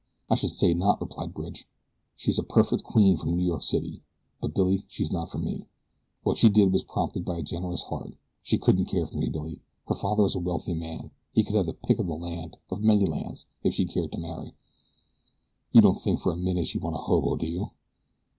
"I should say not," replied Bridge. "She's a perfect queen from New York City; but, Billy, she's not for me. What she did was prompted by a generous heart. She couldn't care for me, Billy. Her father is a wealthy man he could have the pick of the land of many lands if she cared to marry. You don't think for a minute she'd want a hobo, do you?"